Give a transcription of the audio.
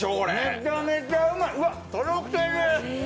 めちゃめちゃうまい、とろける！